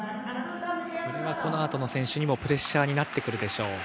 この後の選手にもプレッシャーになってくるでしょう。